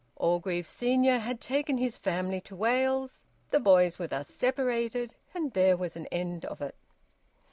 Orgreave senior had taken his family to Wales; the boys were thus separated, and there was an end of it.